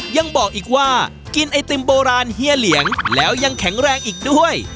ยังบอกอีกว่ากินไอติมโบราณเฮียเหลียงแล้วยังแข็งแรงอีกด้วย